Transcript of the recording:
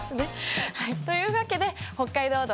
というわけで「北海道道」